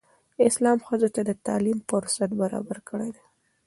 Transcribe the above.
اسلام ښځو ته د تعلیم فرصت برابر کړی دی.